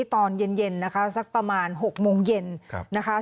ตอนเย็นนะคะสักประมาณ๖โมงเย็นนะคะ